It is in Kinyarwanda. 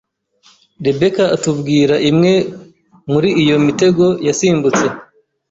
Rebecca atubwira imwe muri iyo mitego yasimbutse.